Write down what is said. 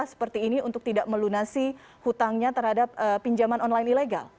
seperti ini untuk tidak melunasi hutangnya terhadap pinjaman online ilegal